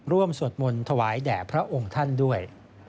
สวดมนต์ถวายแด่พระองค์ท่านด้วย